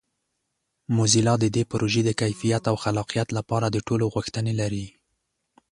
موزیلا د دې پروژې د کیفیت او خلاقیت لپاره د ټولو غوښتنې لري.